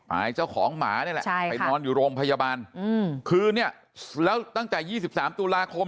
ไอเจ้าของหมานี่แหละไปนอนอยู่โรงพยาบาลคือเนี่ยแล้วตั้งแต่๒๓ตุลาคม